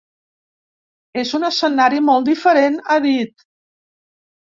“És un escenari molt diferent”, ha dit.